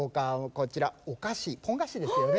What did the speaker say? こちらお菓子ポン菓子ですよね。